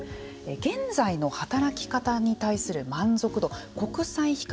現在の働き方に対する満足度を国際比較したものです。